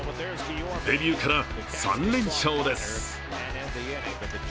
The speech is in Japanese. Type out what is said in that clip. デビューから３連勝です。